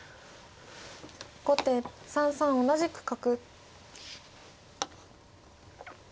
後手３三同じく角。